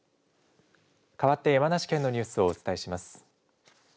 かわって山梨県のニュースをお伝えします。